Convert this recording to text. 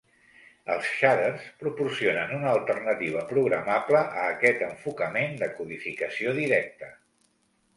Els "shaders" proporcionen una alternativa programable a aquest enfocament de codificació directa.